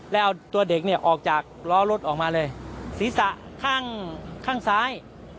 แล้วเอาตัวเด็กเนี่ยออกจากล้อรถออกมาเลยศีรษะข้างข้างซ้าย